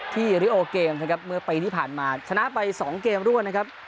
ที่เรียลเกมส์นะครับเมื่อปีที่ผ่านมาชนะไปสองเกมส์รวดนะครับ